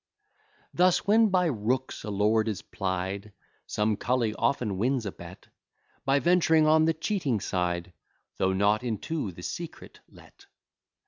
Thus, when by rooks a lord is plied, Some cully often wins a bet, By venturing on the cheating side, Though not into the secret let.